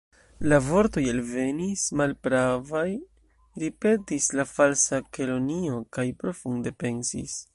"La vortoj elvenis malpravaj," ripetis la Falsa Kelonio, kaj profunde pensis.